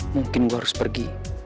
mungkin gue harus pergi